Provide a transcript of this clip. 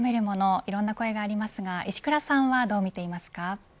いろんな声がありますが石倉さんはどうみていますか。